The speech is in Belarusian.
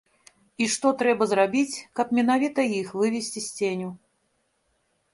І што трэба зрабіць, каб менавіта іх вывесці з ценю.